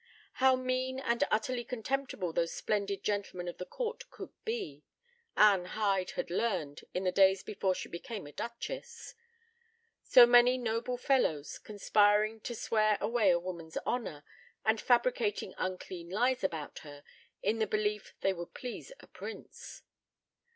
How mean and utterly contemptible those splendid gentlemen of the court could be, Anne Hyde had learned in the days before she became a duchess. So many noble fellows conspiring to swear away a woman's honor, and fabricating unclean lies about her, in the belief they would please a prince.